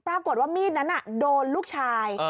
ปรากฏว่ามีดนั้นโดนลูกชาย